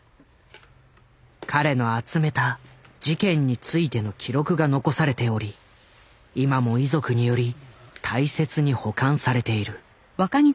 彼の集めた事件についての記録が残されており今も遺族により大切に保管されている。